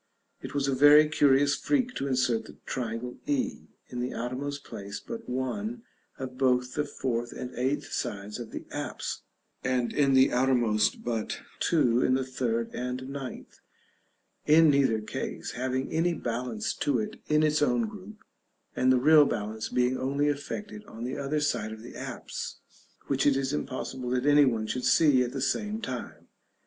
It was a very curious freak to insert the triangle e, in the outermost place but one of both the fourth and eighth sides of the apse, and in the outermost but two in the third and ninth; in neither case having any balance to it in its own group, and the real balance being only effected on the other side of the apse, which it is impossible that any one should see at the same time.